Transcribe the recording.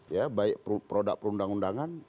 ya baik produk perundang undangan